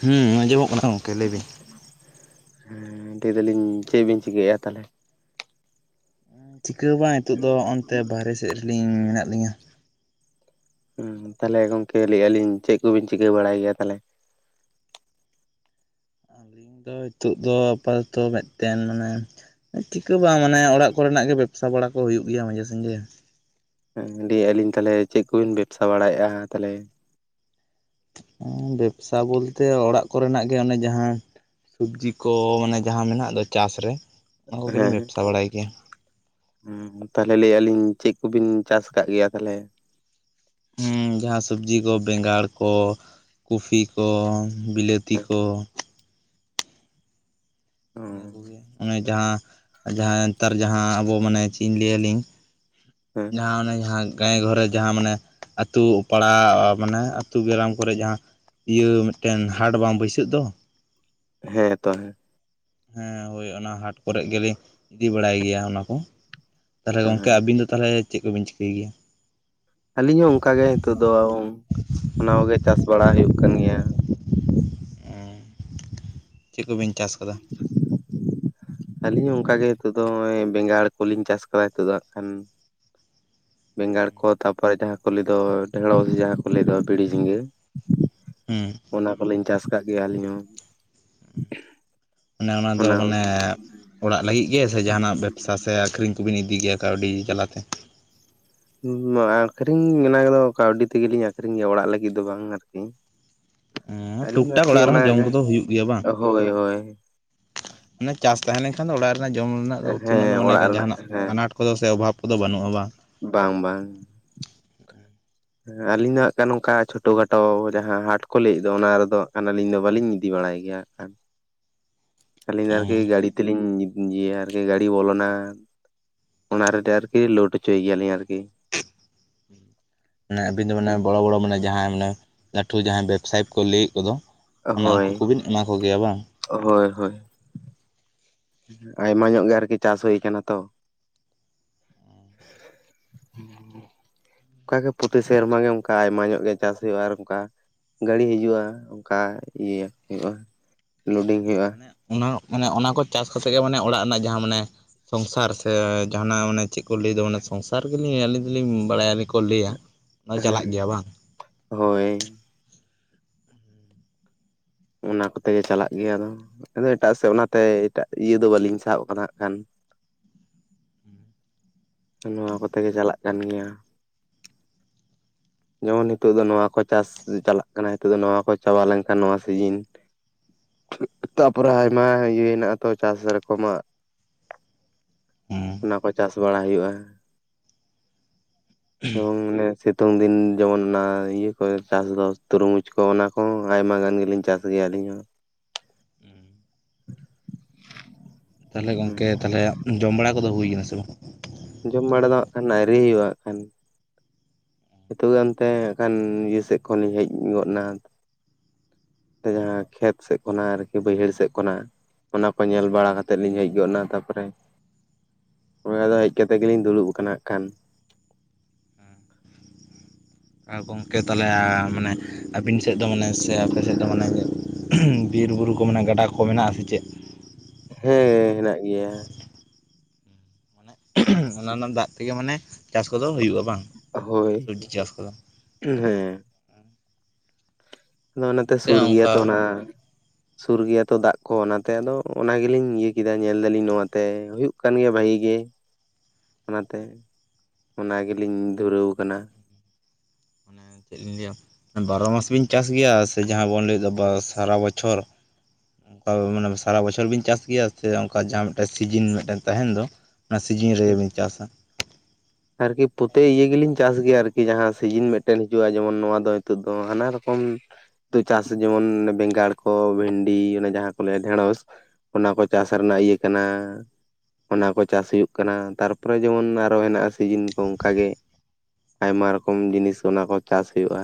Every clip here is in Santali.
ᱦᱩᱸ ᱟᱸᱡᱚᱢᱚᱜ ᱠᱟᱱᱟ ᱚᱝᱠᱮ ᱞᱮᱭ ᱵᱤᱱ? ᱦᱮᱸ ᱞᱟᱹᱭ ᱫᱟᱞᱤᱧ ᱪᱮᱜ ᱵᱤᱱ ᱪᱤᱠᱟᱭᱟ ᱛᱟᱦᱞᱮ? ᱪᱤᱠᱟᱹ ᱦᱚᱸ ᱵᱟᱸ ᱮᱛᱚᱜ ᱫᱚ ᱚᱱᱛᱮ ᱵᱟᱨᱦᱮ ᱥᱮᱫ ᱨᱮᱞᱤᱧ ᱢᱮᱱᱟᱜ ᱞᱤᱧᱟ᱾ ᱦᱩᱸ ᱛᱟᱦᱞᱮ ᱜᱚᱝᱠᱮ ᱞᱟᱹᱭ ᱞᱤᱧ ᱪᱮᱜ ᱠᱚ ᱵᱤᱱ ᱪᱤᱠᱟᱹ ᱵᱟᱲᱟᱭ ᱜᱮᱭᱟ ᱛᱟᱞᱮ? ᱤᱧ ᱫᱚ ᱦᱤᱛᱚᱜ ᱫᱚ ᱟᱯᱟᱫᱚᱛᱚ ᱢᱤᱫᱴᱮᱱ ᱢᱟᱱᱮ ᱮᱸ ᱪᱤᱠᱟᱹ ᱵᱟᱝ ᱢᱟᱱᱮ ᱚᱲᱟᱜ ᱠᱚᱨᱮ ᱱᱟᱜ ᱜᱮ ᱵᱮᱵᱽᱥᱟ ᱵᱟᱲᱟ ᱠᱚ ᱦᱩᱭᱩᱜ ᱜᱮᱭᱟ ᱢᱟᱡᱷᱮ ᱥᱟᱡᱷᱮ᱾ ᱦᱮᱸ ᱫᱤᱭᱮ ᱟᱹᱞᱤᱧ ᱛᱟᱞᱮ ᱪᱮᱜ ᱠᱚᱵᱤᱱ ᱵᱮᱵᱽᱥᱟ ᱵᱟᱲᱟᱭᱮᱜᱼᱟ ᱛᱟᱞᱮ? [inaudible] ᱵᱮᱵᱥᱟ ᱵᱚᱞᱛᱮ ᱚᱲᱟᱜ ᱠᱚᱨᱮᱱᱟᱜ ᱜᱮ ᱚᱱᱮ ᱡᱟᱦᱟᱸ ᱾ ᱥᱚᱵᱽᱡᱤ ᱠᱚ ᱢᱟᱱᱮ ᱡᱟᱦᱟᱸ ᱢᱮᱱᱟᱜ ᱫᱚ ᱪᱟᱥ ᱨᱮ ᱚᱱᱟ ᱠᱚᱜᱮᱞᱤᱧ ᱵᱮᱵᱥᱟ ᱵᱟᱲᱟᱭ ᱜᱮᱭᱟ ᱾ [inaudible] ᱛᱟᱦᱞᱮ ᱞᱟᱹᱭ ᱞᱤᱧ ᱪᱮᱜ ᱠᱚᱵᱤᱱ ᱪᱟᱥ ᱠᱟᱜ ᱜᱮᱭᱟ ᱛᱟᱦᱞᱮ? ᱦᱩᱸ ᱡᱟᱦᱟᱸ ᱥᱚᱵᱽᱡᱤ ᱠᱚ ᱵᱮᱸᱜᱟᱲ ᱠᱚ, ᱠᱚᱯᱷᱤ ᱠᱚ ᱵᱤᱞᱟᱹᱛᱤ ᱦᱮᱸ ᱠᱚ ᱾ ᱤᱱᱟᱹ ᱠᱚᱜᱮ ᱚᱱᱮ ᱡᱟᱦᱟᱸ ᱡᱟᱦᱟᱸ ᱱᱮᱛᱟᱨ ᱡᱟᱦᱟᱸ ᱟᱵᱚ ᱢᱟᱱᱮ ᱪᱤᱱ ᱞᱟᱹᱭᱟᱞᱤᱧ ᱾ ᱦᱮᱸ, ᱡᱟᱦᱟᱸ ᱚᱱᱮ ᱡᱟᱦᱟᱸ ᱜᱟᱭ ᱜᱷᱚᱨᱮ ᱡᱟᱦᱟᱸ ᱢᱟᱱᱮ, ᱟᱹᱛᱩᱜ ᱯᱟᱲᱟ ᱢᱟᱱᱮ ᱟᱹᱛᱩ ᱜᱮᱨᱟᱢ ᱠᱚᱨᱮᱜ ᱡᱟᱦᱟᱸ, ᱤᱭᱟᱹ ᱢᱤᱫᱴᱮᱱ ᱦᱟᱴ ᱵᱟᱝ ᱵᱟᱹᱭᱥᱟᱹᱜ ᱫᱚ ᱾ ᱦᱮᱸ ᱛᱚ ᱦᱮᱸ, ᱦᱮᱸ ᱦᱳᱭ ᱚᱱᱟ ᱦᱟᱴ ᱠᱚᱨᱮᱜ ᱜᱮᱞᱤᱧ ᱤᱫᱤ ᱵᱟᱲᱟᱭ ᱜᱮᱭᱟ ᱚᱱᱟ ᱠᱚ ᱾ ᱛᱟᱦᱞᱮ ᱜᱚᱝᱠᱮ ᱦᱮᱸ ᱟᱵᱤᱱ ᱫᱚ ᱛᱟᱦᱞᱮ ᱪᱮᱜ ᱠᱚᱵᱤᱱ ᱪᱤᱠᱟᱹᱭ ᱜᱮᱭᱟ? ᱟᱹᱞᱤᱧ ᱦᱚᱸ ᱚᱱᱠᱟ ᱜᱮ ᱦᱤᱛᱚᱜ ᱫᱚ ᱚᱱᱟ ᱠᱚᱜᱮ ᱪᱟᱥ ᱵᱟᱲᱟ ᱦᱩᱭᱩᱜ ᱠᱟᱱ ᱜᱮᱭᱟ ᱾ [inaudible] ᱪᱮᱷ ᱠᱚᱵᱤᱱ? ᱪᱟᱥ ᱠᱟᱫᱟ? ᱟᱹᱞᱤᱧ ᱦᱚᱸ ᱚᱱᱠᱟᱜ ᱜᱮ ᱱᱤᱛᱚᱜ ᱫᱚ ᱱᱚᱜᱚᱭ ᱵᱮᱜᱟᱲ ᱠᱚᱞᱤᱧ ᱪᱟᱥ ᱟᱠᱟᱫᱟ ᱱᱤᱛᱚᱜ ᱫᱚ ᱦᱜ ᱠᱷᱟᱱ᱾ [inaudible] ᱵᱮᱸᱜᱟᱲ ᱠᱚ ᱛᱟᱨᱯᱚᱨᱮ ᱡᱟᱦᱟᱸ ᱠᱚ ᱞᱟᱹᱭᱫᱟ ᱰᱷᱮᱸᱲᱚᱥ ᱥᱮ ᱡᱟᱦᱟᱸ ᱠᱚ ᱞᱟᱹᱭᱮᱫ ᱵᱷᱤᱲᱤ ᱡᱷᱤᱸᱜᱟᱹ᱾ ᱦᱩᱸ ᱚᱱᱟ ᱠᱚᱞᱤᱧ ᱪᱟᱥ ᱠᱟᱜ ᱜᱮᱭᱟ ᱟᱹᱞᱤᱧ ᱦᱚᱸ᱾ ᱢᱟᱱᱮ ᱚᱱᱟ ᱫᱚ ᱢᱟᱱᱮ ᱚᱲᱟᱜ ᱞᱟᱹᱜᱤᱫ ᱜᱮ ᱥᱮ ᱡᱟᱦᱟᱱᱟᱜ ᱵᱮᱵᱥᱟ ᱥᱮ ᱟᱠᱷᱨᱤᱧ ᱠᱚᱵᱤᱱ ᱤᱫᱤ ᱜᱮᱭᱟ ᱠᱟᱹᱣᱰᱤ ᱡᱟᱞᱟᱛᱮ? ᱟᱠᱠᱷᱨᱤᱧ ᱢᱮᱱᱟᱜᱫᱚ ᱠᱟᱹᱣᱰᱤ ᱛᱮᱜᱮᱞᱤᱧ ᱟᱠᱷᱨᱤᱧ ᱜᱮᱭᱟ ᱚᱲᱟᱜ ᱞᱟᱹᱜᱤᱫ ᱫᱚ ᱵᱟᱝ ᱟᱨᱠᱤ᱾ ᱟᱹᱞᱤᱧ ᱴᱩᱠ ᱴᱟᱠ ᱟᱨᱠᱤ ᱚᱲᱟᱜ ᱨᱮᱦᱚᱸ ᱚᱱᱟ ᱡᱚᱢ ᱠᱚᱫᱚ ᱦᱩᱭᱩᱜ ᱜᱮᱭᱟ ᱵᱟᱝ ᱦᱳᱭ ᱦᱳᱭ᱾ ᱢᱟᱱᱮ ᱪᱟᱥ ᱛᱟᱦᱮᱞᱮᱱᱠᱷᱟᱱ ᱫᱚ ᱚᱲᱟᱜ ᱨᱮᱱᱟᱜ ᱡᱚᱢ ᱨᱮᱱᱟᱜ ᱫᱚ ᱩᱛᱩᱱᱟᱹ ᱫᱚ ᱦᱮᱸ ᱢᱟᱱᱮ ᱚᱲᱟᱜ ᱨᱮᱱᱟᱜ ᱡᱟᱦᱟᱱᱟᱜ ᱦᱮᱸ ᱟᱱᱟᱴ ᱠᱚᱫᱚ ᱥᱮ ᱚᱵᱷᱟᱵᱽ ᱠᱚᱫᱚ ᱵᱟᱹᱱᱩᱜᱼᱟ ᱵᱟᱝ? ᱵᱟᱝ ᱵᱟᱝ᱾ ᱮᱸ ᱟᱹᱞᱤᱧ ᱫᱚ ᱦᱜ ᱱᱚᱚᱱᱠᱟ ᱪᱷᱳᱴᱚ ᱜᱷᱟᱴᱚ ᱡᱟᱦᱟᱸ ᱦᱟᱴ ᱠᱚ ᱞᱟᱹᱭᱮᱫ ᱫᱚ ᱚᱱᱟ ᱨᱮᱫᱚ ᱟᱹᱞᱤᱧ ᱫᱚ ᱵᱟᱟᱹᱞᱤᱧ ᱤᱫᱤ ᱵᱟᱲᱟᱭ ᱜᱮᱭᱟ ᱦᱟᱜ ᱠᱷᱟᱱ᱾ ᱟᱹᱞᱤᱧ ᱫᱚ ᱟᱨᱠᱤ ᱜᱟᱹᱟᱹᱲᱤ ᱛᱮᱞᱤᱧ ᱭᱟ ᱟᱨᱠᱤ ᱜᱟᱹᱟᱹᱲᱤ ᱵᱚᱞᱚᱱᱟ᱾ ᱚᱱᱟ ᱨᱮ ᱟᱨᱠᱤ ᱞᱳᱰ ᱦᱚᱪᱚᱭ ᱜᱮᱭᱟᱞᱤᱧ ᱟᱨᱠᱤ᱾ ᱢᱟᱱᱮ ᱟᱹᱵᱤᱱ ᱫᱚ ᱢᱟᱱᱮ ᱵᱚᱲᱚ ᱵᱚᱲᱚ ᱢᱟᱱᱮ ᱡᱟᱦᱟᱸᱭ ᱢᱟᱱᱮ ᱞᱟᱹᱴᱩ ᱡᱟᱦᱟᱸᱭ ᱵᱮᱵᱽᱥᱟᱭᱤᱤᱠ ᱠᱚ ᱞᱟᱹᱭᱮᱫ ᱠᱚᱫᱚ ᱚᱱᱮ ᱦᱳᱭ ᱩᱱᱠᱩ ᱠᱚᱵᱤᱱ ᱮᱢᱟ ᱠᱚᱜᱮᱭᱟ ᱵᱟᱝ? ᱦᱳᱭ ᱦᱳᱭ᱾ ᱟᱭᱢᱟ ᱧᱚᱜ ᱜᱮ ᱟᱨᱠᱤ ᱪᱟᱥ ᱦᱩᱭ ᱠᱟᱱᱟ ᱛᱚ᱾ ᱦᱩᱸ ᱚᱱᱠᱟᱜᱮ ᱯᱨᱚᱛᱤ ᱥᱮᱨᱢᱟ ᱜᱮ ᱚᱱᱠᱟ ᱟᱭᱢᱟ ᱧᱚᱜ ᱜᱮ ᱪᱟᱥ ᱦᱩᱭᱩᱜᱼᱟ ᱟᱨ ᱚᱱᱠᱟ ᱜᱟᱹᱲᱤ ᱦᱤᱡᱩᱜᱼᱟ ᱚᱱᱠᱟ ᱤᱭᱟᱹ ᱦᱩᱭᱩᱜᱼᱟ ᱞᱳᱰᱤᱝ ᱦᱩᱭᱩᱜᱼᱟ᱾ ᱢᱟᱱᱮ ᱚᱱᱟ ᱢᱟᱱᱮ ᱚᱱᱟ ᱠᱚ ᱪᱟᱥ ᱠᱟ ᱠᱟᱛᱮᱫ ᱜᱮ ᱢᱟᱱᱮ ᱚᱲᱟᱜ ᱨᱮᱱᱟᱜ ᱡᱟᱦᱟᱸ ᱢᱟᱱᱮ ᱥᱚᱝᱥᱟᱨ ᱥᱮ ᱡᱟᱦᱟᱱᱟᱜ ᱢᱟᱱᱮ ᱪᱮᱫᱠᱚ ᱞᱟᱹᱭᱮᱫ ᱢᱟᱱᱮ ᱥᱚᱝᱥᱟᱨ ᱜᱮᱞᱤᱧ ᱟᱹᱞᱤᱧ ᱫᱚᱞᱤᱧ ᱵᱟᱲᱟᱭᱟ ᱟᱞᱤᱧᱠᱚ ᱞᱟᱹᱭᱟ᱾ ᱚᱱᱟ ᱪᱟᱞᱟᱜ ᱦᱮᱸ ᱜᱮᱭᱟ ᱵᱟᱝ? ᱦᱳᱭ᱾ ᱚᱱᱟ ᱠᱚᱛᱮᱜ ᱜᱮ ᱪᱟᱞᱟᱜ ᱜᱮᱭᱟ ᱟᱫᱚ ᱟᱫᱚ ᱮᱴᱟᱜ ᱥᱮᱫ ᱚᱱᱟᱛᱮ ᱮᱴᱟᱜ ᱤᱭᱟᱹ ᱫᱚ ᱵᱟᱹᱞᱤᱧ ᱥᱟᱵ ᱠᱟᱫᱟ ᱦᱜ ᱠᱷᱟᱱ᱾ ᱱᱚᱣᱟ ᱠᱚᱛᱮ ᱜᱮ ᱪᱟᱞᱟᱜ ᱠᱟᱱ ᱜᱮᱭᱟ᱾ ᱡᱮᱢᱚᱱ ᱱᱤᱛᱚᱜ ᱫᱚ ᱱᱚᱣᱟ ᱠᱚ ᱪᱟᱥ ᱪᱟᱞᱟᱜ ᱠᱟᱱᱟ ᱱᱤᱛᱚᱜ ᱫᱚ ᱱᱚᱣᱟ ᱠᱚ ᱪᱟᱵᱟ ᱞᱮᱱᱠᱷᱟᱱ ᱱᱚᱣᱟ ᱥᱤᱡᱤᱱ᱾ ᱛᱟᱨᱯᱚᱨᱮ ᱟᱭᱢᱟ ᱤᱭᱟᱹ ᱦᱮᱱᱟᱜ ᱟ ᱛᱚ ᱪᱟᱥ ᱨᱚᱠᱚᱢᱟᱜ᱾ ᱦᱮᱸ ᱚᱱᱟ ᱠᱚ ᱪᱟᱥ ᱵᱟᱲᱟ ᱦᱩᱭᱩᱜᱼᱟ᱾ ᱮᱵᱚᱝ ᱟᱱᱮ ᱥᱤᱛᱩᱝ ᱫᱤᱱ ᱡᱮᱢᱚᱱ ᱚᱱᱟ ᱤᱭᱟᱹ ᱠᱚ ᱪᱟᱥ ᱫᱚ ᱛᱩᱨᱩᱢᱩᱡᱽ ᱠᱚ ᱚᱱᱟ ᱠᱚ ᱟᱭᱢᱟ ᱜᱟᱱ ᱜᱮᱞᱤᱧ ᱪᱟᱥ ᱜᱮᱭᱟ ᱟᱹᱞᱤᱧ ᱦᱚᱸ᱾ ᱦᱩᱸ᱾ ᱛᱟᱦᱚᱞᱮ ᱜᱚᱝᱠᱮ ᱛᱟᱦᱚᱞᱮ ᱡᱚᱢ ᱵᱟᱲᱟ ᱠᱚᱫᱚ ᱦᱩᱭᱱᱟ ᱥᱮ ᱵᱟᱝ? ᱡᱚᱢ ᱵᱟᱲᱟ ᱫᱚᱟᱜ ᱠᱷᱟᱱ ᱟᱹᱨᱤ ᱦᱩᱭᱩᱜ ᱟᱠᱷᱟᱱ᱾ ᱱᱤᱛᱚᱜ ᱜᱮ ᱚᱱᱛᱮ ᱦᱜ ᱠᱷᱟᱱ ᱱᱤᱭᱟᱹ ᱥᱮᱫ ᱠᱷᱚᱱᱤᱧ ᱦᱮᱡ ᱜᱚᱫ ᱱᱟ᱾ ᱡᱟᱦᱟᱸ ᱠᱷᱮᱛ ᱥᱮᱫ ᱠᱷᱚᱱᱟᱜ ᱟᱨᱠᱤ ᱵᱟᱹᱭᱦᱟᱹᱲ ᱥᱮᱫ ᱠᱷᱚᱱᱟᱜ᱾ ᱚᱱᱟ ᱠᱚ ᱧᱮᱞ ᱵᱟᱲᱟ ᱠᱟ ᱠᱟᱛᱮᱮᱫ ᱞᱤᱧ ᱦᱮᱡ ᱜᱚᱫ ᱮᱱᱟ ᱛᱟᱯᱚᱨᱮ ᱚᱱᱟᱫᱚ ᱦᱮᱡ ᱠᱟᱛᱮ ᱜᱮᱞᱤᱧ ᱫᱩᱲᱩᱵ ᱟᱠᱟᱱᱟ ᱦᱟᱸᱜ ᱠᱷᱟᱱ᱾ ᱜᱚᱝᱠᱮ ᱛᱟᱦᱟᱞᱮ ᱢᱟᱱᱮ ᱟᱹᱵᱤᱱ ᱥᱮᱫ ᱫᱚ ᱢᱟᱱᱮ ᱥᱮ ᱟᱯᱮ ᱥᱮᱫ ᱫᱚ ᱢᱟᱱᱮ ᱵᱤᱨᱼᱵᱩᱨᱩ ᱠᱚ ᱢᱮᱱᱟᱜᱼᱟ ᱜᱟᱰᱟ ᱠᱚ ᱢᱮᱱᱟᱜᱼᱟ ᱥᱮ ᱪᱮᱫ? ᱦᱮᱸ ᱦᱮᱱᱟᱜ ᱜᱮᱭᱟ᱾ ᱢᱟᱱᱮ ᱚᱱᱟ ᱨᱮᱱᱟᱜ ᱫᱟᱜ ᱛᱮᱜᱮ ᱢᱟᱱᱮ ᱪᱟᱥ ᱠᱚᱫᱚ ᱦᱩᱭᱩᱜᱼᱟ ᱵᱟᱝ? ᱥᱚᱵᱽᱡᱤ ᱦᱳᱭ ᱪᱟᱥ ᱠᱚᱫᱚ ᱦᱮᱸ᱾ ᱟᱫᱚ ᱚᱱᱟᱛᱮ ᱱᱚᱛᱮ ᱥᱩᱨ ᱦᱚᱸ ᱜᱮᱭᱟ ᱚᱱᱠᱟ ᱛᱚ ᱚᱱᱟ ᱥᱩᱨ ᱜᱮᱭᱟ ᱛᱚ ᱫᱟᱜ ᱠᱚ ᱚᱱᱟᱛᱮ ᱟᱫᱚ ᱚᱱᱟ ᱜᱮᱞᱤᱧ ᱤᱭᱟᱹ ᱠᱮᱫᱟ ᱧᱮᱞ ᱮ ᱫᱟᱞᱤᱧ ᱱᱚᱣᱟᱛᱮ ᱦᱩᱭᱩᱜ ᱠᱟᱱ ᱜᱮᱭᱟ ᱵᱷᱟᱜᱤ ᱜᱮ᱾ [inaudible] ᱚᱱᱟᱛᱮ ᱚᱱᱟ ᱜᱮᱞᱤᱧ ᱫᱷᱩᱨᱟᱹᱣ ᱠᱟᱱᱟ᱾ ᱢᱟᱱᱮ ᱪᱮᱜ ᱞᱤᱧ ᱞᱮᱹᱭᱟ ᱵᱟᱨᱚ ᱢᱟᱥ ᱵᱤᱱ ᱪᱟᱥ ᱜᱮᱭᱟ ᱥᱮ ᱡᱟᱦᱟᱸ ᱵᱚᱱ ᱞᱮᱹᱭᱫᱟ ᱵᱟᱥ ᱥᱟᱨᱟ ᱵᱚᱪᱷᱚᱨ? ᱟᱵᱚ ᱢᱟᱱᱮ ᱥᱟᱨᱟ ᱵᱚᱪᱷᱚᱨ ᱵᱤᱱ ᱪᱟᱥ ᱜᱮᱭᱟ ᱥᱮ ᱚᱝᱠᱟ ᱡᱟᱦᱟᱸ ᱢᱤᱜᱴᱮᱱ ᱥᱤᱡᱤᱱ ᱢᱤᱜᱴᱮᱱ ᱛᱟᱦᱮᱱ ᱫᱚ? ᱟ ᱥᱤᱡᱤᱱ ᱨᱮᱜᱮᱵᱤᱱ ᱪᱟᱥᱟ? ᱟᱨᱠᱤ ᱯᱚᱛᱮ ᱤᱭᱟᱹ ᱜᱮᱞᱤᱧ ᱪᱟᱥ ᱜᱮᱭᱟ ᱟᱨᱠᱤ ᱡᱟᱦᱟᱸ ᱥᱤᱡᱤᱱ ᱢᱤᱜᱴᱮᱱ ᱦᱤᱡᱩᱜᱼᱟ ᱡᱮᱢᱚᱱ ᱱᱚᱣᱟ ᱫᱚ ᱱᱤᱛᱚᱜ ᱫᱚ ᱦᱟᱱᱟ ᱨᱚᱠᱚᱢᱼᱼ ᱛᱩ ᱪᱟᱥ ᱡᱮᱢᱚᱱ ᱵᱮᱸᱜᱟᱲ ᱠᱚ ᱵᱷᱮᱱᱰᱤ ᱚᱱᱮ ᱡᱟᱦᱟᱸ ᱠᱚ ᱞᱮᱹᱭᱟ ᱰᱷᱮᱸᱲᱚᱥ ᱚᱱᱟᱠᱚ ᱪᱟᱥ ᱨᱮᱱᱟᱜ ᱤᱭᱟᱹ ᱠᱟᱱᱟ ᱚᱱᱟᱠᱚ ᱪᱟᱥ ᱦᱩᱭᱩᱜ ᱠᱟᱱᱟ ᱛᱟᱨᱯᱚᱨᱮ ᱡᱮᱢᱚᱱ ᱟᱨᱦᱚ ᱦᱮᱱᱟᱜᱼᱟ ᱥᱤᱡᱤᱱ ᱠᱚ ᱚᱝᱠᱟ ᱜᱮ ᱾ ᱟᱭᱢᱟ ᱨᱚᱠᱚᱢ ᱡᱤᱱᱤᱥ ᱚᱱᱟ ᱠᱚ ᱪᱟᱥ ᱦᱩᱭᱩᱜᱼᱟ᱾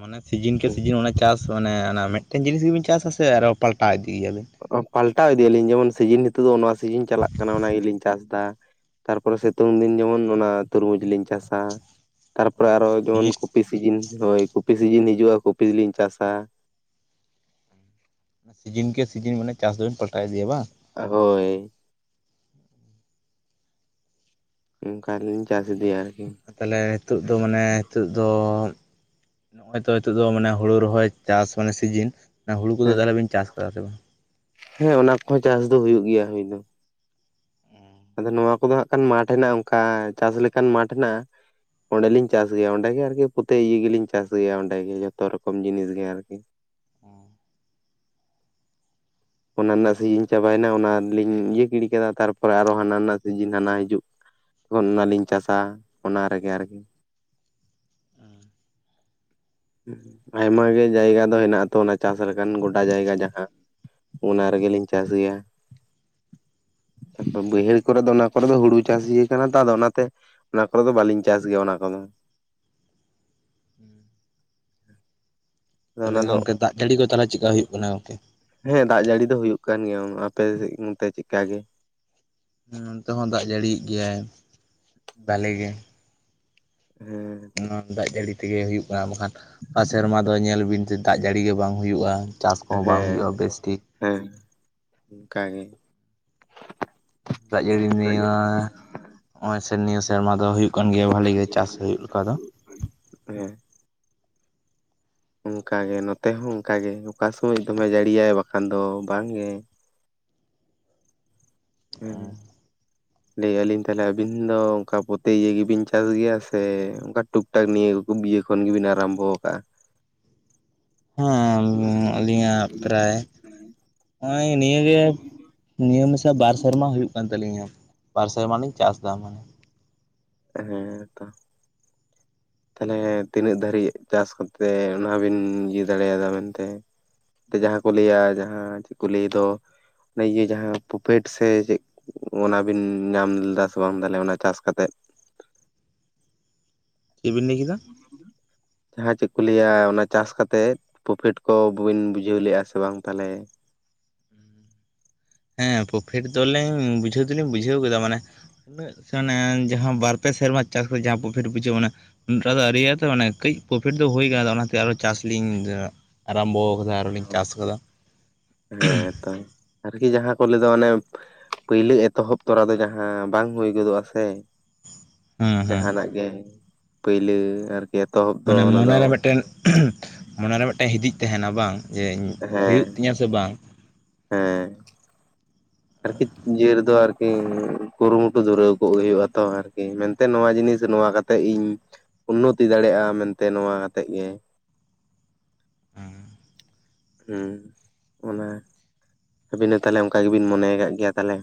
ᱢᱟᱱᱮ ᱥᱤᱡᱤᱱ ᱠᱮ ᱥᱤᱡᱤᱱ ᱚᱱᱟ ᱪᱟᱥ ᱢᱟᱱᱮ ᱚᱱᱟ ᱢᱮᱜᱴᱮᱱ ᱡᱤᱱᱤᱥ ᱜᱮᱵᱮᱱ ᱪᱟᱥᱟ ᱥᱮ ᱟᱨᱚ ᱯᱟᱞᱴᱟᱣ ᱤᱫᱤᱜ ᱜᱮᱭᱟᱵᱤᱱ? ᱚ ᱯᱟᱞᱴᱟ ᱤᱫᱤᱭᱟᱞᱤᱧ ᱡᱮᱢᱚᱱ ᱥᱤᱡᱤᱱ ᱱᱤᱛᱚᱜ ᱫᱚ ᱱᱚᱣᱟ ᱥᱤᱡᱤᱱ ᱪᱟᱞᱟᱜ ᱠᱟᱱᱟ ᱚᱱᱟ ᱜᱮᱞᱤᱧ ᱪᱟᱥ ᱫᱟ᱾ ᱛᱟᱨᱯᱚᱨᱮ ᱥᱮᱛᱳᱝ ᱫᱤᱱ ᱡᱮᱢᱚᱱ ᱚᱱᱟ ᱛᱩᱨᱢᱩᱡᱽ ᱞᱤᱧ ᱪᱟᱥᱟ᱾ ᱛᱟᱨᱯᱚᱨᱮ ᱟᱨᱚ ᱢᱟᱱᱮ ᱡᱮᱢᱚᱱ ᱥᱤᱡᱤᱱ ᱠᱩᱯᱤ ᱥᱤᱡᱤᱱ ᱦᱳᱭ ᱠᱩᱯᱤ ᱥᱤᱡᱤᱱ ᱦᱤᱡᱩᱜᱼᱟ ᱠᱩᱯᱤᱞᱤᱧ ᱪᱟᱥᱟ᱾ ᱥᱤᱡᱤᱱ ᱜᱮ ᱥᱤᱡᱤᱱ ᱢᱟᱱᱮ ᱪᱟᱥ ᱫᱚᱵᱤᱱ ᱯᱟᱞᱴᱟᱣ ᱤᱫᱤᱭᱟ ᱵᱟᱝ? ᱟ ᱦᱳᱭ᱾ ᱚᱝᱠᱟᱞᱤᱧ ᱪᱟᱥ ᱤᱫᱤᱭᱟ ᱟᱨᱠᱤ ᱾ ᱛᱟᱦᱮᱞᱮ ᱦᱤᱛᱳᱜ ᱫᱚ ᱢᱟᱱᱮ ᱦᱤᱛᱳᱜ ᱫᱚ ᱱᱚᱜᱹᱚᱭ ᱛᱚ ᱦᱤᱛᱳᱜ ᱫᱚ ᱢᱟᱱᱮ ᱦᱩᱲᱩ ᱨᱚᱦᱚᱭ ᱪᱟᱥ ᱢᱟᱱᱮ ᱥᱤᱡᱤᱱ ᱱᱟ ᱦᱩᱲᱩ ᱠᱚᱫᱚ ᱦᱮᱸ ᱛᱟᱦᱮᱞᱮ ᱵᱤᱱ ᱪᱟᱥ ᱟᱠᱟᱫᱟ ᱥᱮ ᱵᱟᱝ? ᱦᱮᱸ ᱚᱱᱟ ᱠᱚᱦᱚᱸ ᱪᱟᱥ ᱫᱚ ᱦᱩᱭᱩᱜ ᱜᱮᱭᱟ ᱦᱩᱭ ᱫᱚ᱾ ᱟᱫᱚ ᱱᱳᱣᱟ ᱠᱚᱫᱚ ᱦᱟᱜ ᱠᱷᱟᱱ ᱢᱟᱴᱷ ᱢᱮᱱᱟᱜᱼᱟ ᱚᱝᱠᱟ ᱪᱟᱥ ᱞᱮᱠᱦᱟᱱ ᱢᱟᱴᱷ ᱱᱟ ᱚᱸᱰᱮᱞᱤᱧ ᱪᱟᱥ ᱜᱮᱭᱟ ᱚᱸᱰᱮ ᱜᱮ ᱟᱨᱠᱤ ᱯᱚᱛᱮ ᱤᱭᱟᱹ ᱜᱮᱞᱤᱧ ᱪᱟᱥ ᱜᱮᱭᱟ ᱚᱸᱰᱮᱜ ᱜᱮ ᱡᱷᱚᱛᱚ ᱨᱚᱠᱚᱢ ᱡᱤᱱᱤᱥ ᱜᱮ ᱟᱨᱠᱤ᱾ ᱚ ᱚᱱᱟ ᱱᱟᱜ ᱥᱤᱡᱤᱱ ᱪᱟᱵᱟᱭᱱᱟ ᱚᱱᱟᱞᱤᱧ ᱤᱭᱟᱹ ᱜᱤᱰᱤ ᱠᱮᱫᱟ ᱛᱟᱨᱯᱚᱨᱮ ᱟᱨᱦᱚ ᱦᱟᱱᱟ ᱱᱟᱜ ᱥᱤᱡᱤᱱ ᱦᱟᱱᱟ ᱦᱤᱡᱩᱜ ᱚᱱᱱᱟᱞᱤᱧ ᱪᱟᱥᱟ ᱚᱱᱟ ᱨᱮᱜᱮ ᱟᱨᱠᱤ ᱾ ᱟᱭᱢᱟᱟᱜ ᱜᱮ ᱡᱟᱭᱜᱟ ᱫᱚ ᱦᱮᱱᱟᱜ ᱟ ᱛᱚ ᱚᱱᱟ ᱪᱟᱥ ᱞᱮᱠᱟᱱ ᱜᱚᱰᱟ ᱡᱟᱭᱜᱟ ᱡᱟᱦᱟᱸ ᱚᱱᱟ ᱨᱮᱜᱮᱞᱤᱧ ᱪᱟᱥ ᱜᱮᱭᱟ᱾ ᱟᱫᱚ ᱵᱟᱹᱭᱦᱟᱹᱲ ᱠᱚᱨᱮ ᱫᱚ ᱚᱱᱟ ᱠᱚᱨᱮ ᱫᱚ ᱦᱩᱲᱩ ᱪᱟᱥ ᱤᱹᱭᱟ ᱠᱟᱱᱟ ᱛᱚ ᱟᱫᱚ ᱚᱱᱟᱛᱮ᱾ ᱚᱱᱟ ᱠᱚᱨᱮ ᱫᱚ ᱵᱟᱹᱞᱤᱧ ᱪᱟᱥ ᱜᱮᱭᱟ ᱚᱱᱟ ᱠᱚᱫᱚ᱾ ᱟᱫᱚ ᱛᱟᱦᱮᱞᱮ ᱚᱱᱟ ᱫᱚ ᱜᱚᱢᱠᱮ ᱫᱟᱜ ᱡᱟᱹᱲᱤ ᱠᱚ ᱛᱟᱞᱮ ᱪᱮᱜᱠᱟ ᱦᱩᱭᱩᱜ ᱠᱟᱱᱟ ᱜᱚᱢᱠᱮ? ᱦᱮᱸ ᱫᱟᱜ ᱡᱟᱹᱲᱤ ᱫᱚ ᱦᱩᱭᱩᱜ ᱠᱟᱱ ᱜᱮᱭᱟ, ᱚᱱ ᱟᱯᱮ ᱥᱮᱜ ᱚᱱᱛᱮ ᱪᱮᱜᱠᱟ ᱜᱮ? ᱱᱚᱱᱛᱮ ᱦᱚᱸ ᱫᱟᱜ ᱡᱟᱹᱲᱤᱭᱮᱜ ᱜᱮᱭᱟᱭ ᱵᱷᱟᱞᱮ ᱜᱮ᱾ ᱦᱮᱸᱻ ᱱᱚ ᱫᱟᱜ ᱡᱟᱹᱲᱤ ᱛᱮᱜᱮ ᱦᱩᱭᱩᱜ ᱟ ᱵᱟᱠᱷᱟᱱ ᱚᱠᱟ ᱥᱮᱨᱢᱟ ᱫᱚ ᱧᱮᱞ ᱵᱤᱱᱥᱮ ᱫᱟᱜ ᱡᱟᱹᱲᱤ ᱜᱮ ᱵᱟᱝ ᱦᱩᱭᱩᱜᱼᱟ᱾ ᱪᱟᱥ ᱠᱚᱦᱚᱸ ᱵᱟᱝ ᱦᱮᱸ ᱦᱩᱭᱩᱜᱼᱟ ᱵᱮᱥ ᱴᱷᱤᱠ ᱦᱮᱸ ᱚᱝᱠᱟ ᱜᱮ᱾ ᱫᱟᱜ ᱡᱟᱹᱲᱤ [unintelligible] ᱱᱚᱜᱼᱚᱭ ᱥᱮ ᱱᱤᱭᱟᱹ ᱥᱮᱨᱢᱟ ᱫᱚ ᱦᱩᱭᱩᱜ ᱠᱟᱱ ᱜᱮᱭᱟ ᱵᱷᱟᱞᱤ ᱜᱮ ᱪᱟᱥ ᱦᱩᱭᱩᱜ ᱞᱮᱠᱟ ᱫᱚ᱾ ᱦᱮᱸ ᱚᱝᱠᱟᱜᱮ ᱱᱚᱛᱮ ᱦᱚᱸ ᱚᱝᱠᱟᱜᱮ ᱚᱠᱟ ᱥᱚᱢᱚᱭ ᱫᱚᱢᱮ ᱡᱟᱹᱲᱤᱭᱟᱭ ᱵᱟᱠᱷᱟᱱ ᱫᱚ ᱵᱟᱝᱜᱮ᱾ [inaudible] ᱞᱮᱹᱭ ᱟᱞᱤᱧ ᱛᱟᱦᱞᱮ ᱟᱵᱤᱱ ᱫᱚ ᱚᱝᱠᱟ ᱯᱚᱛᱮ ᱤᱭᱟᱹ ᱜᱮᱵᱤᱱ ᱪᱟᱥ ᱜᱮᱭᱟ ᱥᱮ ᱚᱝᱠᱟ? ᱴᱩᱠ ᱴᱟᱠ ᱱᱤᱭᱟᱹ ᱩᱯᱩ ᱵᱤᱭᱮ ᱠᱷᱚᱱ ᱜᱮᱵᱤᱱ ᱟᱨᱟᱢᱵᱚ ᱠᱟᱜᱼᱟ? ᱦᱮᱸᱟᱞᱤᱧ ᱟᱹᱞᱤᱧᱟᱜ ᱯᱨᱟᱭ ᱦᱸᱚᱜᱼᱚᱭ ᱱᱤᱭᱟᱹᱜᱮ ᱱᱤᱭᱟᱹ ᱢᱮᱥᱟ ᱵᱟᱨ ᱥᱮᱨᱢᱟ ᱦᱩᱭᱩᱜ ᱠᱟᱱ ᱛᱟᱹᱞᱤᱧᱟ, ᱵᱟᱨ ᱥᱮᱨᱢᱟ ᱞᱤᱧ ᱪᱟᱥ ᱫᱟ ᱢᱟᱱᱮ᱾ ᱦᱮᱸ ᱛᱚ᱾ [inaudible] ᱛᱟᱦᱞᱮ ᱛᱤᱱᱟᱹᱜ ᱫᱷᱟᱨᱤᱡ ᱪᱟᱥ ᱠᱟᱛᱮᱜ ᱚᱱᱟ ᱵᱤᱱ ᱤᱭᱟᱹ ᱫᱟᱲᱮᱭᱟᱫᱟ ᱢᱮᱱᱛᱮ ᱡᱟᱦᱟᱸ ᱠᱚ ᱞᱟᱹᱭᱟ ᱡᱟᱦᱟᱸ ᱪᱮᱜ ᱠᱚ ᱞᱟᱹᱭ ᱫᱚ, ᱚᱱᱟ ᱤᱭᱟᱹ ᱡᱟᱦᱟᱸ ᱯᱚᱯᱷᱮᱴ ᱥᱮ ᱪᱮᱜ ᱚᱱᱟᱵᱤᱱ ᱧᱟᱢ ᱞᱮᱫᱟ ᱥᱮ ᱵᱟᱝ ᱛᱟᱦᱚᱞᱮ ᱚᱱᱟ ᱪᱟᱥ ᱠᱟᱛᱮᱫ? ᱪᱮᱜ ᱵᱤᱱ ᱞᱟᱹᱭ ᱠᱮᱫᱟ? ᱦᱮᱸ ᱪᱮᱜ ᱠᱚ ᱞᱟᱹᱭᱟ ᱚᱱᱟ ᱪᱟᱥ ᱠᱟᱛᱮᱜ ᱯᱚᱯᱷᱮᱴ ᱠᱚ ᱵᱟᱵᱤᱱ ᱵᱩᱡᱷᱟᱹᱣ ᱞᱮᱜᱼᱟ ᱥᱮ ᱵᱟᱝ ᱛᱟᱞᱚᱦᱮ ᱦᱮᱸ ᱯᱚᱯᱷᱮᱴ ᱫᱚ ᱞᱤᱧ ᱵᱩᱡᱷᱟᱹᱣ ᱫᱚᱞᱤᱧ ᱵᱩᱡᱷᱟᱹᱣ ᱠᱮᱫᱟ ᱢᱟᱱᱮ ᱩᱱᱟᱹᱜ [unintelligible] ᱡᱟᱦᱟᱸ ᱵᱟᱨ ᱯᱮ ᱥᱮᱨᱢᱟ ᱪᱟᱥ ᱠᱟᱛᱮᱜ ᱡᱟᱦᱟᱸ ᱯᱚᱯᱷᱮᱴ ᱵᱩᱡᱷᱟᱹᱜ ᱚᱱᱟ ᱚᱠᱟ ᱫᱚ ᱟᱣᱨᱤ ᱭᱟᱜ-ᱟ ᱛᱚ ᱢᱟᱱᱮ ᱠᱟᱹᱡ ᱯᱚᱯᱷᱮᱴ ᱫᱚ ᱦᱩᱭ ᱠᱟᱱᱟ ᱛᱚ ᱚᱱᱟᱛᱮ ᱟᱨᱚ ᱪᱟᱥ ᱞᱤᱧ ᱟᱨᱟᱢᱵᱚᱣ ᱾ ᱦᱮᱸ ᱛᱚ᱾ ᱟᱨᱠᱤ ᱡᱟᱦᱟᱸ ᱠᱚ ᱞᱟᱹᱭ ᱫᱚ ᱢᱟᱱᱮ ᱯᱟᱹᱭᱞᱟᱹ ᱮᱛᱚᱦᱚᱵ ᱛᱚᱨᱟ ᱫᱚ ᱡᱟᱦᱟᱸ ᱵᱟᱝ ᱦᱩᱭ ᱜᱚᱫᱚᱜᱼᱟ ᱥᱮ᱾ ᱦᱮᱸ ᱦᱮᱸ ᱡᱟᱦᱟᱱᱟᱜ ᱜᱮ ᱯᱟᱹᱭᱞᱟᱹ ᱟᱨᱠᱤ ᱮᱛᱚᱦᱚᱵ ᱫᱚ ᱚᱱᱟ ᱫᱚ ᱢᱚᱱᱮ ᱨᱮ ᱢᱤᱫᱴᱮᱱ ᱦᱤᱫᱤᱡ ᱛᱟᱦᱮᱱᱟ ᱵᱟᱝ, ᱡᱮ ᱤᱧ ᱦᱩᱭᱩᱜ ᱦᱮᱸ ᱛᱤᱧᱟᱹ ᱥᱮ ᱵᱟᱝ? ᱦᱮᱸ, ᱟᱨᱠᱤ ᱤᱭᱟᱹ ᱨᱮᱫᱚ ᱟᱨᱠᱤ ᱠᱩᱨᱩᱢᱩᱴᱩ ᱫᱷᱩᱨᱟᱹᱣ ᱠᱚᱜ ᱦᱩᱭᱩᱜ-ᱟ ᱛᱚ ᱟᱨᱠᱤ ᱢᱮᱱᱛᱮ ᱱᱚᱣᱟ ᱡᱤᱱᱤᱥ ᱱᱚᱣᱟ ᱠᱟᱛᱮᱜ ᱤᱧ ᱩᱱᱱᱚᱛᱤ ᱫᱟᱲᱮᱜ-ᱟ ᱢᱮᱱᱛᱮ ᱱᱚᱣᱟ ᱟᱛᱮᱫ ᱜᱮ ᱦᱩᱸ ᱚᱱᱟ ᱟᱹᱵᱤᱱ ᱦᱚᱸ ᱛᱟᱦᱞᱮ ᱚᱱᱠᱟ ᱜᱮᱵᱤᱱ ᱢᱚᱱᱮᱭ ᱠᱟᱜ ᱜᱮᱭᱟ ᱛᱟᱞᱦᱮ?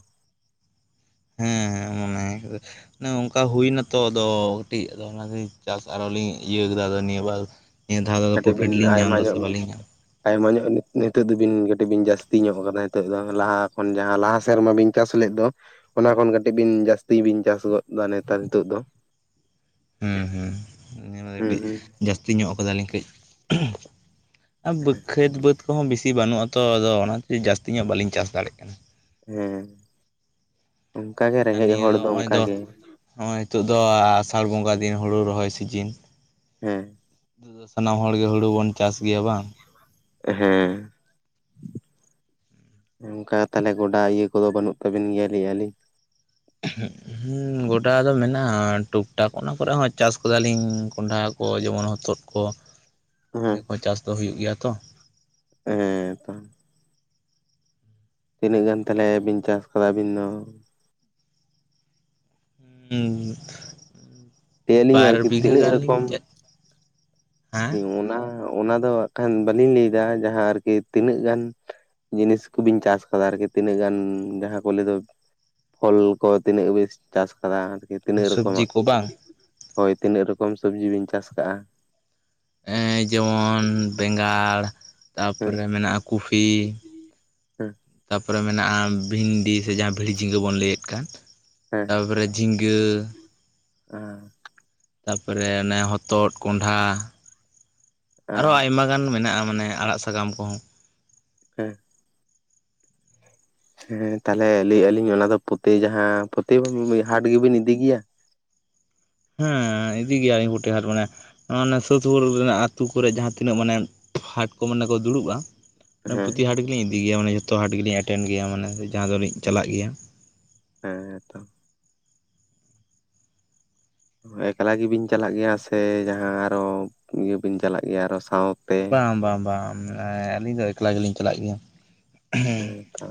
ᱦᱮᱸ ᱦᱮᱸ ᱢᱚᱱᱮ [unintelligible] ᱚᱱᱮ ᱚᱱᱠᱟ ᱦᱩᱭ ᱱᱟᱛᱚ ᱟᱫᱚ ᱠᱟᱹᱴᱤᱡ ᱟᱫᱚ ᱚᱱᱟ ᱜᱤᱧ ᱪᱟᱥ ᱟᱨᱚᱞᱤᱧ ᱤᱭᱟᱹᱣ ᱠᱟᱫᱟ ᱟᱫᱚ ᱱᱤᱭᱟᱹ ᱵᱟᱨ ᱱᱤᱭᱟᱹ ᱫᱷᱟᱣ ᱫᱚ ᱟᱫᱚ ᱠᱟᱹᱴᱤᱡ ᱵᱤᱱ ᱯᱚᱯᱷᱤᱴ ᱞᱤᱧ ᱧᱟᱢ ᱟᱭᱢᱟ ᱫᱟ ᱥᱮ ᱧᱚᱜ ᱵᱤᱱ ᱵᱟᱹᱞᱤᱧ ᱧᱟᱢ ᱟᱭᱢᱟ ᱧᱚᱜ ᱱᱤᱛᱚᱜ ᱫᱚᱵᱤᱱ ᱠᱟᱹᱴᱤᱡ ᱵᱤᱱ ᱡᱟᱹᱥᱛᱤ ᱧᱚᱜ ᱠᱟᱫᱟ ᱱᱤᱛᱚᱜ ᱫᱚ ᱞᱟᱦᱟ ᱠᱷᱚᱱ ᱡᱟᱦᱟᱸ ᱞᱟᱦᱟ ᱥᱮᱨᱢᱟ ᱵᱤᱱ ᱪᱟᱥ ᱞᱮᱫ ᱫᱚ ᱚᱱᱟ ᱠᱷᱚᱱ ᱠᱟᱹᱴᱤᱡ ᱵᱤᱱ ᱡᱟᱹᱥᱛᱤ ᱵᱤᱱ ᱪᱟᱥ ᱜᱚᱫ ᱫᱟ ᱱᱮᱛᱟᱨ ᱱᱤᱛᱚᱜ ᱫᱚ ᱾ ᱦᱩᱸ ᱦᱩᱸ ᱱᱤᱭᱟᱹ ᱵᱟᱨ ᱦᱩᱸ ᱠᱟᱹᱴᱤᱡ ᱦᱩᱸ ᱡᱟᱹᱥᱛᱤ ᱧᱚᱜ ᱠᱟᱫᱟᱞᱤᱧ ᱠᱟᱹᱡ ᱟ ᱵᱟᱹᱠᱷᱟᱹᱛ ᱵᱟᱹᱫᱽ ᱠᱚᱦᱚᱸ ᱵᱤᱥᱤ ᱵᱟᱹᱱᱩᱜᱼᱟ ᱛᱚ ᱟᱫᱚ ᱚᱱᱟ ᱦᱚᱛᱮᱡ ᱛᱮ ᱡᱟᱹᱥᱛᱤ ᱧᱚᱜ ᱵᱟᱹᱞᱤᱧ ᱪᱟᱥ ᱫᱟᱲᱮᱜ ᱠᱟᱱᱟ᱾ ᱦᱮᱸ ᱚᱱᱠᱟᱜᱮ ᱨᱮᱸᱜᱮᱡ ᱦᱚᱲ ᱫᱚ ᱚᱱᱠᱟ ᱜᱮ᱾ ᱦᱚᱜᱼᱚᱭ ᱱᱤᱛᱚᱜ ᱫᱚ ᱟᱥᱟᱲ ᱵᱚᱸᱜᱟ ᱫᱤᱱ ᱦᱳᱲᱳ ᱨᱚᱦᱚᱭ ᱥᱤᱡᱤᱱ᱾ ᱦᱮᱸ ᱱᱤᱛᱚᱜ ᱫᱚ ᱥᱟᱱᱟᱢ ᱦᱚᱲ ᱜᱮ ᱦᱳᱲᱳ ᱵᱚᱱ ᱪᱟᱥ ᱜᱮᱭᱟ ᱵᱟᱝ ᱦᱮᱸ ᱚᱱᱠᱟ ᱛᱟᱦᱞᱮ ᱜᱚᱰᱟ ᱤᱭᱟᱹ ᱠᱚᱫᱚ ᱵᱟᱹᱱᱩᱜ ᱛᱟᱵᱤᱱ ᱜᱮᱭᱟ ᱞᱟᱹᱭ ᱮᱭᱟ ᱞᱤᱧ? ᱦᱩᱸ ᱜᱚᱴᱟ ᱫᱚ ᱢᱮᱱᱟᱜᱼᱟ ᱴᱩᱠ ᱴᱟᱠ ᱚᱱᱟ ᱠᱚᱨᱮ ᱦᱚᱸ ᱪᱟᱥ ᱠᱟᱫᱟᱞᱤᱧ ᱠᱚᱸᱰᱷᱟ ᱦᱳᱭ ᱡᱮᱢᱚᱱ ᱦᱚᱛᱚᱫᱽ ᱠᱚ ᱱᱤᱭᱟᱹ ᱦᱮᱸ ᱠᱚᱦᱚᱸ ᱪᱟᱥ ᱫᱚ ᱦᱩᱭᱩᱜ ᱜᱮᱭᱟ ᱛᱚ᱾ ᱦᱮᱸ ᱛᱟ ᱛᱤᱱᱟᱹᱜ ᱜᱟᱱ ᱛᱟᱞᱦᱮ ᱵᱤᱱ ᱪᱟᱥ ᱠᱟᱫᱟ ᱟᱹᱵᱤᱱ ᱫᱚ? ᱦᱩᱸ ᱞᱟᱹᱭ ᱟᱹᱞᱤᱧ ᱵᱟᱨ ᱟᱨᱠᱤ ᱵᱤᱜᱷᱟᱹ ᱛᱤᱱᱟᱹᱜ ᱜᱟᱱ ᱞᱤᱧ ᱨᱚᱠᱚᱢ ᱪᱟ ᱚᱱᱟ ᱚᱱᱟ ᱫᱚ ᱦᱟᱸᱜ ᱠᱷᱟᱱ ᱵᱟᱹᱞᱤᱧ ᱞᱟᱹᱭ ᱫᱟ ᱡᱟᱦᱟᱸ ᱟᱨᱠᱤ ᱛᱤᱱᱟᱹᱜ ᱜᱟᱱ ᱡᱤᱱᱤᱥ ᱠᱚᱵᱤᱱ ᱪᱟᱥ ᱠᱟᱫᱟ ᱟᱨᱠᱤ ᱛᱤᱱᱟᱹᱜ ᱜᱟᱱ ᱡᱟᱦᱟᱸ ᱠᱚ ᱞᱟᱭᱹ ᱫᱚ ᱯᱷᱚᱞ ᱠᱚ ᱛᱤᱱᱟᱹᱜ ᱵᱤᱥ ᱪᱟᱥ ᱠᱟᱫᱟ ᱟᱨᱠᱤ ᱛᱤᱱᱟᱹᱜ ᱥᱚᱵᱽᱡᱤ ᱨᱚᱠᱚᱢᱟᱜ, ᱠᱚ ᱵᱟᱝ ᱦᱳᱭ ᱛᱤᱱᱟᱹᱜ ᱨᱚᱠᱚᱢ ᱥᱚᱵᱽᱡᱤ ᱵᱤᱱ ᱪᱟᱥ ᱠᱟᱜᱼᱟ? ᱮᱸ ᱡᱮᱢᱚᱱ ᱵᱮᱸᱜᱟᱲ ᱛᱟ ᱦᱮᱸ ᱯᱚᱨᱮ ᱢᱮᱱᱟᱜ-ᱟ ᱠᱚᱯᱷᱤ ᱦᱮᱸ ᱛᱟᱯᱚᱨᱮ ᱢᱮᱱᱟᱜᱼᱟ ᱵᱷᱤᱱ ᱰᱤ ᱥᱮ ᱡᱟᱦᱟᱸ ᱵᱷᱤᱲᱤ ᱡᱷᱤᱸᱜᱟᱹ ᱵᱚᱱ ᱞᱟᱹᱭᱮᱫ ᱠᱟᱱ ᱦᱮᱸ ᱛᱟᱯᱚᱨᱮ ᱡᱷᱤᱸᱜᱟᱹ [unintelligible] ᱛᱟᱯᱚᱨᱮ ᱚᱱᱮ ᱦᱚᱛᱚᱫᱽ ᱠᱚᱸᱰᱷᱟ ᱟᱨᱚ ᱦᱮᱸ ᱟᱭᱢᱟ ᱜᱟᱱ ᱢᱮᱱᱟᱜᱼᱟ ᱢᱟᱱᱮ ᱟᱲᱟᱜ ᱥᱟᱠᱟᱢ ᱠᱚᱦᱚᱸ ᱾ ᱦᱮᱸ ᱦᱮᱸ ᱛᱟᱞᱦᱮ ᱞᱟᱹᱭᱮᱜᱼᱟ ᱞᱤᱧ ᱚᱱᱟ ᱫᱚ ᱯᱚᱛᱮ ᱡᱟᱦᱟᱸ ᱯᱚᱛᱮ ᱦᱟᱴ ᱜᱮᱵᱤᱱ ᱤᱫᱤᱭ ᱜᱮᱭᱟ? ᱦᱮᱸ ᱤᱫᱤ ᱜᱮᱭᱟ ᱞᱤᱧ ᱯᱚᱴᱮ ᱦᱟᱴ ᱢᱟᱱᱮ ᱚᱱᱟ ᱥᱩᱨᱯᱩᱨ ᱨᱮᱱᱟᱜ ᱟᱹᱛᱩᱳ ᱠᱚᱨᱮ ᱡᱟᱦᱟᱸ ᱛᱤᱱᱟᱹᱜ ᱢᱟᱱᱮ ᱦᱟᱴ ᱠᱚ ᱢᱟᱱᱮ ᱠᱚ ᱫᱩᱲᱩᱵᱼᱟ ᱦᱮᱸ ᱯᱚᱛᱤ ᱦᱟᱴ ᱜᱮᱞᱤᱧ ᱤᱫᱤᱭ ᱜᱮᱭᱟ ᱢᱟᱱᱮ ᱡᱚᱛᱚ ᱦᱟᱴ ᱜᱮᱞᱤᱧ ᱮᱴᱮᱱ ᱜᱮᱭᱟ ᱢᱟᱱᱮ ᱡᱟᱦᱟᱸ ᱫᱚᱞᱤᱧ ᱪᱟᱞᱟᱜ ᱜᱮᱭᱟ᱾ ᱦᱮᱸ ᱛᱚ᱾ ᱮᱠᱞᱟ ᱜᱮᱵᱤᱱ ᱪᱟᱞᱟᱜ ᱜᱮᱭᱟ ᱥᱮ ᱡᱟᱦᱟᱸ ᱟᱨᱚ ᱤᱭᱟᱹ ᱵᱤᱱ ᱪᱟᱞᱟᱜ ᱜᱮᱭᱟ ᱟᱨᱚ ᱥᱟᱶ? ᱵᱟᱝ ᱵᱟᱝ ᱵᱟᱝ ᱟᱹᱞᱤᱧ ᱫᱚ ᱮᱠᱞᱟ ᱜᱮᱞᱤᱧ ᱪᱟᱞᱟᱜ ᱜᱮᱭᱟ᱾ ᱦᱮᱸᱛᱚ᱾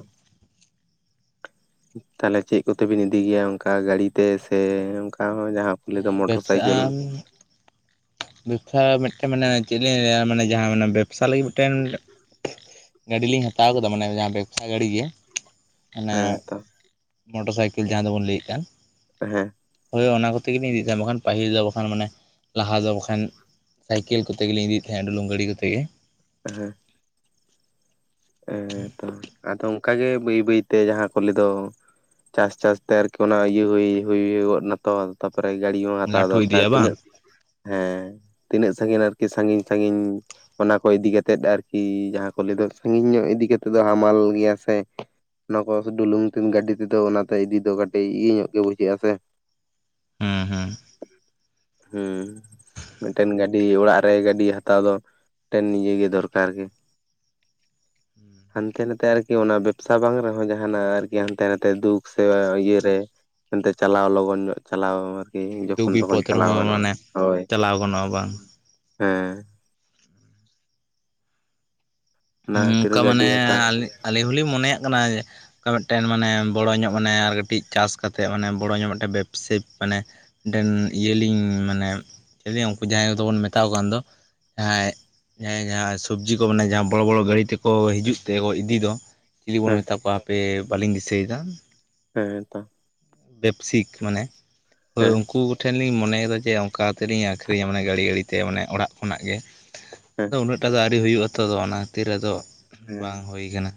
ᱛᱟᱦᱞᱮ ᱪᱮᱜ ᱠᱚᱛᱮᱵᱤᱱ ᱤᱫᱤ ᱜᱮᱭᱟ ᱚᱝᱠᱟ ᱜᱟᱲᱤᱛᱮ ᱥᱮ ᱚᱝᱠᱟ ᱦᱚᱸ ᱡᱟᱦᱟᱸ ᱠᱩ ᱞᱟᱭᱫᱟ ᱦᱮᱸ ᱢᱚᱴᱚᱨ ᱵᱮᱵᱽᱥᱟ ᱥᱟᱭᱠᱮᱞ ᱵᱮᱵᱽᱥᱟ ᱢᱤᱫᱴᱮᱱ ᱢᱟᱱᱮ ᱪᱮᱜ ᱞᱤᱧ ᱞᱟᱹᱭᱟ ᱢᱟᱱᱮ ᱡᱟᱦᱟᱸ ᱢᱟᱱᱮ ᱵᱮᱵᱽᱥᱟ ᱞᱟᱹᱜᱤᱫ ᱢᱤᱫᱴᱮᱱ ᱜᱟᱹᱰᱤ ᱞᱤᱧ ᱦᱟᱛᱟᱣ ᱠᱟᱫᱟ ᱢᱟᱱᱮ ᱡᱟᱦᱟᱸ ᱵᱮᱵᱽᱥᱟ ᱜᱟᱹᱰᱤ ᱜᱮ ᱢᱟᱱᱮ ᱦᱮᱸ ᱛᱚ ᱢᱚᱴᱚ ᱥᱟᱭᱠᱤᱞ ᱡᱟᱦᱟᱸ ᱫᱚᱵᱚᱱ ᱞᱟᱹᱭᱮᱜ ᱠᱟᱱ᱾ ᱦᱮᱸ ᱦᱳᱭ ᱚᱱᱟ ᱠᱚᱛᱮ ᱜᱮᱞᱤᱧ ᱤᱫᱤᱭᱮᱜ ᱛᱟᱦᱮᱱ ᱵᱟᱠᱷᱟᱱ ᱯᱟᱹᱦᱤᱞ ᱫᱚ ᱵᱟᱠᱷᱟᱱ ᱢᱟᱱᱮ ᱞᱟᱦᱟ ᱫᱚ ᱵᱟᱠᱷᱟᱱ ᱥᱟᱭᱠᱮᱞ ᱠᱚᱛᱮ ᱜᱮᱞᱤᱧ ᱤᱫᱤᱭᱮᱜ ᱛᱟᱦᱮᱸ ᱰᱩᱞᱩᱝ ᱜᱟᱹᱰᱤ ᱠᱚᱛᱮ ᱜᱮ᱾ ᱦᱮᱸ ᱦᱮᱸ ᱛᱚ ᱟᱫᱚ ᱚᱝᱠᱟᱜᱮ ᱵᱟᱹᱭ ᱵᱟᱹᱭᱛᱮ ᱡᱟᱦᱟᱸ ᱠᱚ ᱞᱟᱹᱭ ᱫᱚ ᱪᱟᱥ ᱪᱟᱥ ᱛᱮ ᱟᱨᱠᱤ ᱚᱱᱟ ᱤᱭᱟᱹ [unintelligible] ᱱᱟᱛᱚ᱾ ᱛᱟᱯᱚᱨᱮ ᱜᱟᱹᱲᱤ ᱦᱚᱸ ᱦᱟᱛᱟᱣ ᱞᱟᱹᱴᱷᱩ ᱫᱚᱨᱠᱟᱨ ᱤᱫᱤᱭᱟ ᱵᱟᱝ ᱛᱤᱱᱟᱹᱜ ᱦᱮᱸ᱾ ᱛᱤᱱᱟᱹᱜ ᱥᱟᱺᱜᱤᱧ ᱟᱨᱠᱤ ᱥᱟᱺᱜᱤᱧ ᱥᱟᱺᱜᱤᱧ ᱚᱱᱟ ᱠᱚ ᱤᱫᱤ ᱠᱟᱛᱮᱫ ᱟᱨᱠᱤ ᱡᱟᱦᱟᱸ ᱠᱚ ᱞᱟᱹᱭ ᱫᱚ ᱥᱟᱺᱜᱤᱧ ᱧᱚᱜ ᱤᱫᱤ ᱠᱟᱛᱮᱜ ᱫᱚ ᱦᱟᱢᱟᱞ ᱜᱮᱭᱟ ᱥᱮ᱾ ᱚᱱᱟ ᱠᱚ ᱰᱩᱞᱩᱝ ᱛᱮᱱ ᱜᱟᱹᱰᱤ ᱛᱮᱫᱚ ᱚᱱᱟᱛᱮ ᱤᱫᱤ ᱫᱚ ᱠᱟᱹᱴᱤᱡ ᱤᱭᱟᱹ ᱧᱚᱜ ᱜᱮ ᱵᱩᱡᱷᱟᱹᱜᱼᱟ ᱥᱮ᱾ ᱦᱩᱸ ᱦᱩᱸ ᱦᱩᱸ ᱢᱤᱫᱴᱮᱱ ᱜᱟᱹᱰᱤ ᱚᱲᱟᱜ ᱨᱮ ᱜᱟᱹᱰᱤ ᱦᱟᱛᱟᱣ ᱫᱚ ᱴᱮᱱ ᱤᱭᱟᱹ ᱜᱮ ᱫᱚᱨᱠᱟᱨ ᱜᱮ᱾ ᱦᱟᱱᱛᱮ ᱱᱟᱛᱮ ᱟᱨᱠᱤ ᱚᱱᱟ ᱵᱮᱵᱽᱥᱟ ᱵᱟᱝ ᱨᱮᱦᱚᱸ ᱡᱟᱦᱟᱱᱟᱜ ᱟᱨᱠᱤ ᱦᱟᱱᱛᱮ ᱱᱟᱛᱮ ᱫᱩᱠ ᱥᱮ ᱤᱭᱟᱹᱨᱮ ᱮᱱᱛᱮ ᱪᱟᱞᱟᱣ ᱞᱚᱜᱚᱱ ᱧᱚᱜ ᱪᱟᱞᱟᱣ ᱜᱮ ᱫᱩᱠ ᱡᱚᱠᱷᱚᱱ ᱛᱚᱠᱷᱚᱱ ᱵᱤᱯᱚᱫ ᱨᱮᱦᱚᱸ ᱪᱟᱞᱟᱣ ᱜᱟᱱᱚᱜᱼᱟ ᱢᱟᱱᱮ ᱦᱳᱭ ᱪᱟᱞᱟᱣ ᱜᱟᱱᱚᱜᱼᱟ ᱵᱟᱝ ᱦᱮᱸ᱾ ᱚᱱᱟ ᱦᱩᱸ ᱠᱷᱟᱹᱛᱤᱨ ᱚᱝᱠᱟ ᱜᱟᱹᱰᱤ ᱢᱟᱱᱮ ᱦᱟᱛᱟᱣ ᱟᱞᱤ-ᱟᱹᱞᱤᱧ ᱦᱚᱸᱞᱤᱧ ᱢᱚᱱᱮᱭᱟᱜ ᱠᱟᱱᱟ ᱠᱟ ᱢᱤᱜᱴᱮᱱ ᱢᱟᱱᱮ ᱵᱚᱲᱚ ᱧᱚᱜ ᱢᱟᱱᱮ ᱟᱨ ᱠᱟᱹᱴᱤᱡ ᱪᱟᱥ ᱠᱟᱛᱮᱜ ᱢᱟᱱᱮ ᱵᱚᱲᱚ ᱧᱚᱜ ᱢᱤᱫᱴᱮᱱ ᱵᱮᱵᱽᱥᱮᱵ ᱢᱟᱱᱮ ᱢᱤᱫᱴᱮᱱ ᱤᱭᱟᱹᱞᱤᱧ ᱢᱟᱱᱮ [unintelligible] ᱩᱝᱠᱩ ᱡᱟᱦᱟᱸᱭ ᱠᱚᱫᱚ ᱵᱚᱱ ᱢᱮᱛᱟᱣ ᱠᱚ ᱠᱟᱱ ᱫᱚ ᱦᱮᱸ ᱦᱮᱸ ᱡᱟᱦᱟᱸᱭ ᱥᱚᱵᱽᱡᱤ ᱠᱚ ᱢᱮᱱᱟ ᱡᱟᱦᱟᱸ ᱵᱚᱲᱚ ᱵᱚᱲᱚ ᱜᱟᱹᱲᱤ ᱛᱮᱠᱚ ᱦᱤᱡᱩᱜ ᱛᱮ ᱤᱫᱤᱚ ᱫᱚ ᱪᱤᱞᱤ ᱵᱚᱱ ᱦᱮᱸ ᱢᱮᱛᱟ ᱠᱚᱣᱟ ᱦᱟᱯᱮ ᱵᱟᱟᱹᱞᱤᱧ ᱫᱤᱥᱟᱹᱭᱫᱟ᱾ ᱦᱮᱸ ᱛᱚ᱾ ᱵᱮᱵᱽᱥᱤᱠ ᱢᱟᱱᱮ ᱦᱳᱭ ᱦᱮᱸ ᱩᱝᱠᱩ ᱠᱚᱴᱷᱮᱱ ᱞᱤᱧ ᱢᱚᱱᱮᱭᱫᱟ ᱡᱮ ᱚᱝᱠᱟ ᱠᱟᱛᱮᱫ ᱞᱤᱧ ᱟᱹᱠᱷᱨᱤᱧᱟ ᱢᱟᱱᱮ ᱜᱰᱲᱤ ᱜᱟᱹᱲᱤ᱾ ᱛᱮ ᱢᱟᱱᱮ ᱚᱲᱟᱜ ᱠᱷᱚᱱᱟᱜ ᱜᱮ ᱦᱮᱸ ᱟᱫᱚ ᱩᱱᱟᱹᱜ ᱴᱟ ᱫᱚ ᱟᱹᱣᱨᱤ ᱦᱩᱭᱩᱜᱼᱟ ᱛᱚ ᱚᱱᱟ ᱠᱷᱟᱹᱛᱤᱨ ᱟᱫᱚ ᱦᱮᱸ ᱵᱟᱝ ᱦᱩᱭ ᱠᱟᱱᱟ᱾